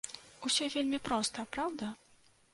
Усё вельмі проста, праўда?